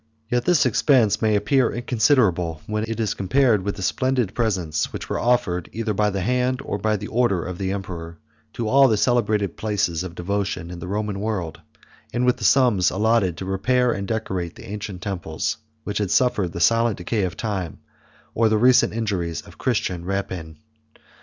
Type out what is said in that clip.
Yet this expense may appear inconsiderable, when it is compared with the splendid presents which were offered either by the hand, or by order, of the emperor, to all the celebrated places of devotion in the Roman world; and with the sums allotted to repair and decorate the ancient temples, which had suffered the silent decay of time, or the recent injuries of Christian rapine.